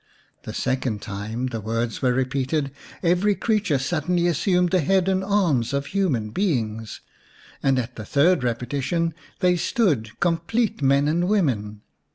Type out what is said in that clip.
The second time the words were repeated every creature sud denly assumed the head and arms of human beings, and at the third repetition they stood complete men and women.